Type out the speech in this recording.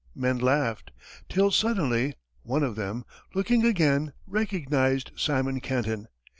Men laughed till suddenly, one of them, looking again, recognized Simon Kenton.